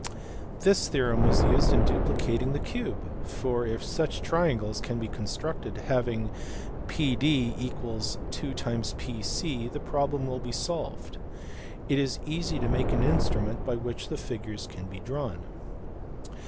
This theorem was used in duplicating the cube, for, if such triangles can be constructed having PD = 2P(7, the problem will be solved. It is easy to make an instrument by which the figure can be drawn.